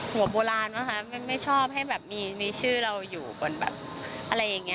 หัวโบราณนะคะมันไม่ชอบให้แบบมีชื่อเราอยู่บนแบบอะไรอย่างนี้